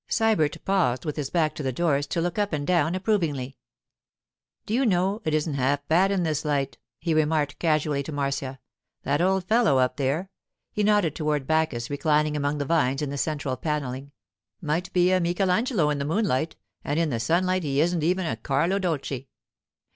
Sybert paused with his back to the doors to look up and down approvingly. 'Do you know, it isn't half bad in this light,' he remarked casually to Marcia. 'That old fellow up there,' he nodded toward Bacchus reclining among the vines in the central panelling, 'might be a Michelangelo in the moonlight, and in the sunlight he isn't even a Carlo Dolci.